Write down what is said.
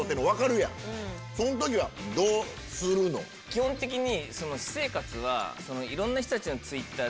基本的に。